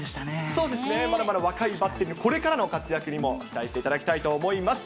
そうですね、まだまだ若いバッテリーにこれからの活躍にも期待していただきたいと思います。